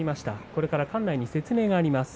これから館内に説明があります。